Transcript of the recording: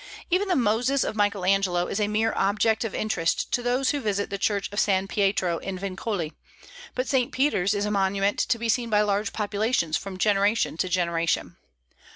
Even the Moses of Michael Angelo is a mere object of interest to those who visit the church of San Pietro in Vincoli; but St. Peter's is a monument to be seen by large populations from generation to generation.